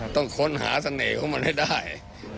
ต้องค้นหาเสน่ห์ของมันให้ได้